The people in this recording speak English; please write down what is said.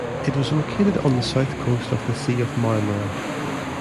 It was located on the south coast of the Sea of Marmara.